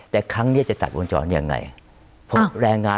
แต่ครั้งนี้ตัดวงจรยังไง